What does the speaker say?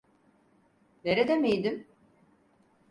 Nerede miydim?